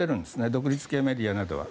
独立系メディアなどは。